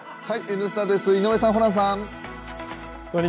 「Ｎスタ」です、井上さんホランさん。